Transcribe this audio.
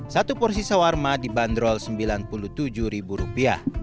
satu porsi sawarma dibanderol rp sembilan puluh tujuh